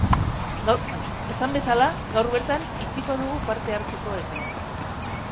Esan bezala, gaur bertan itxiko dugu parte-hartzeko epea.